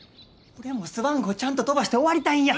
俺もスワン号ちゃんと飛ばして終わりたいんや。